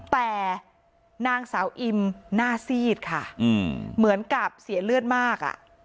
แต่นางสาวอิมหน้าซีดค่ะเหมือนกับเสียเลือดมาก